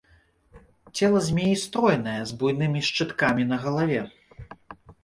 Цела змеі стройнае, з буйнымі шчыткамі на галаве.